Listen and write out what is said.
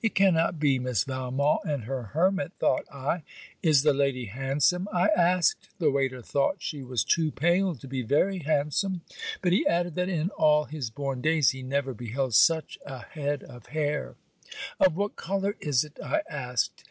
It cannot be Miss Valmont and her hermit, thought I. 'Is the lady handsome?' I asked. The waiter thought she was too pale to be very handsome; but he added that in all his born days he never beheld such a head of hair. 'Of what colour is it?' I asked.